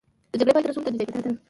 د جګړې پای ته رسولو ته نژدې کیدل